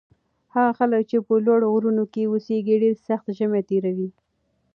هغه خلک چې په لوړو غرونو کې اوسي ډېر سخت ژمی تېروي.